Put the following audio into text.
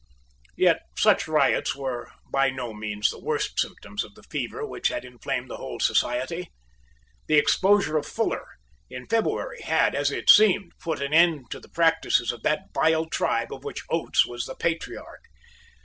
Yet such riots were by no means the worst symptoms of the fever which had inflamed the whole society. The exposure of Fuller, in February, had, as it seemed, put an end to the practices of that vile tribe of which Oates was the patriarch.